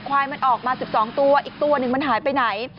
ควายมันออกมา๑๒ตัวอีกตัวหนึ่งมันหายไปไหน